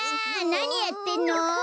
なにやってんの？